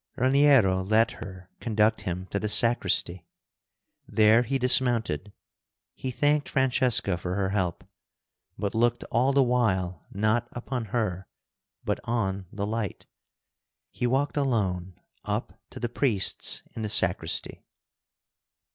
Raniero let her conduct him to the sacristy. There he dismounted. He thanked Francesca for her help, but looked all the while not upon her, but on the light. He walked alone up to the priests in the sacristy.